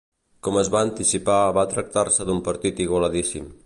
Com es va anticipar va tractar-se d'un partit igualadíssim.